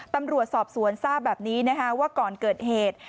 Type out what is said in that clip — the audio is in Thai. ตำรวจสอบสวนทราบแบบนี้นะคะว่าก่อนเกิดเหตุ